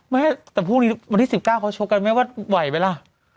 ไม่แต่พรุ่งนี้วันที่๑๙เขาชกกันแม่ว่าไหวไหมล่ะ